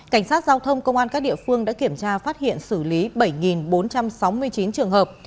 cảnh sát giao thông công an các địa phương đã kiểm tra phát hiện xử lý bảy bốn trăm sáu mươi chín trường hợp